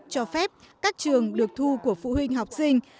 cho phép các trường được thu của phụ huynh học sinh